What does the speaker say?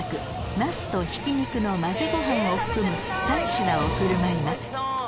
ナスとひき肉の混ぜご飯を含む３品を振る舞います